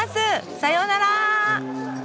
さようなら。